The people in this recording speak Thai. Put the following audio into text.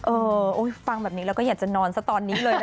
เออฟังแบบนี้แล้วก็อยากจะนอนซะตอนนี้เลย